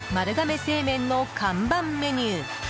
丸亀製麺の看板メニュー